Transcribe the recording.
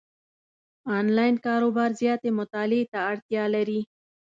انلاین کاروبار زیاتې مطالعې ته اړتیا لري،